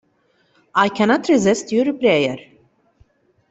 I cannot resist your prayer.